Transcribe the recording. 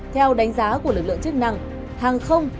theo đánh giá của lực lượng chức năng